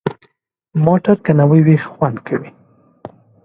موټر که نوي وي، خوند کوي.